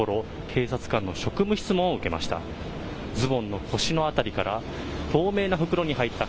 警察官の職務質問を受けました。